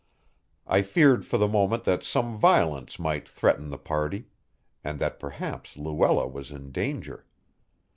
I feared for the moment that some violence might threaten the party, and that perhaps Luella was in danger.